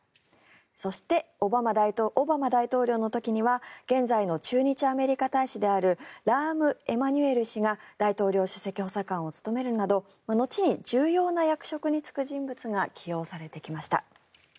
そして、オバマ大統領の時には現在の駐日アメリカ大使であるラーム・エマニュエル氏が大統領首席補佐官を務めるなど後に重要な役職に就く人物が起用されてきました。